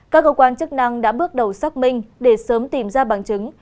các cơ quan chức năng đã bước đầu xác minh để sớm tìm ra bằng chứng